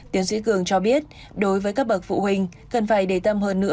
tiến sĩ cường cho biết